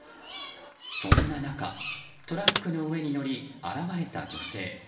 そんな中、トラックの上に乗り現れた女性。